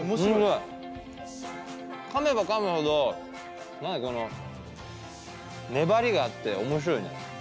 かめばかむほど何かこの粘りがあって面白いね。